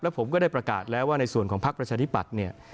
ผมก็ได้ประกาศแล้วว่าในส่วนของพักประชาธิปัตย์เนี่ย